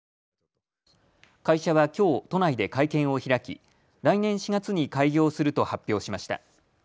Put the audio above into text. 会社はきょう都内で会見を開き、来年４月に開業すると発表しました。